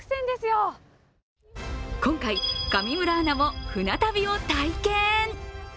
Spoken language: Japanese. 今回、上村アナも船旅を体験。